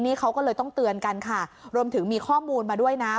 นี่เขาก็เลยต้องเตือนกันค่ะรวมถึงมีข้อมูลมาด้วยนะ